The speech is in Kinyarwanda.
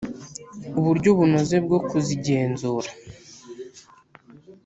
uburyo bunoze bwo kuzigenzura